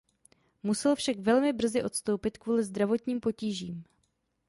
Musel však velmi brzy odstoupit kvůli zdravotním potížím.